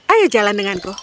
ayo jalan denganku